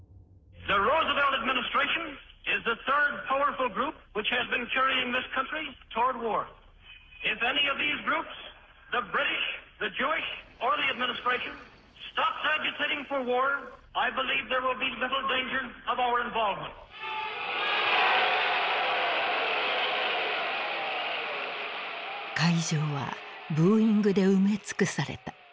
会場はブーイングで埋め尽くされた。